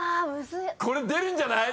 これ出るんじゃない？